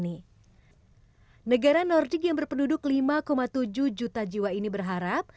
negara nordic yang berpenduduk lima tujuh juta jiwa ini berharap